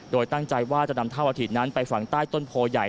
โดยตั้งใจว่าจะนำเท่าอาถิตนั้นไปฝังใต้ต้นโพใหญ่